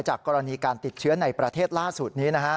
กรณีการติดเชื้อในประเทศล่าสุดนี้